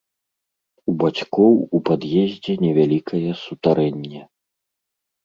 У бацькоў у пад'ездзе невялікае сутарэнне.